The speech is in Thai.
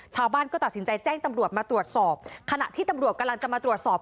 ชาวบ้านก็ตัดสินใจแจ้งตำรวจมาตรวจสอบขณะที่ตำรวจกำลังจะมาตรวจสอบ